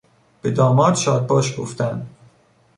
به داماد شادباش گفتن